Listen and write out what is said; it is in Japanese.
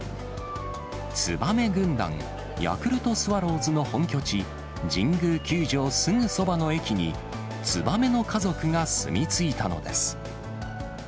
ツバメ軍団、ヤクルトスワローズの本拠地、神宮球場すぐそばの駅に、ツバメの家族が住み着いたのです。